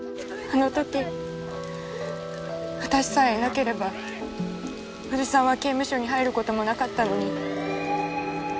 あのとき私さえいなければおじさんは刑務所に入ることもなかったのに。